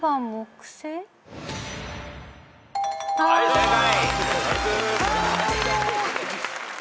正解。